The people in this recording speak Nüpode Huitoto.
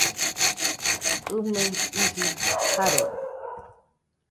ɨ me iji Jarode